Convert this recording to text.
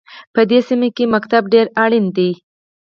په دې سیمه کې ښوونځی ډېر اړین دی